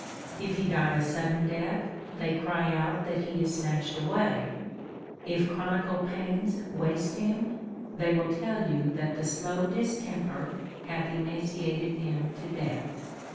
If he die a sudden death, they cry out that he is snatched away ; if chronical pains waste him, they will tell you that the slow distemper hath emaciated him to death.